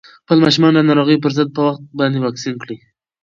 خپل ماشومان د ناروغیو پر ضد په وخت باندې واکسین کړئ.